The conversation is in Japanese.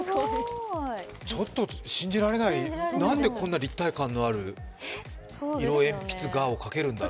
ちょっと信じられない、なんでこんなに立体感のある色鉛筆画を描けるんだろう。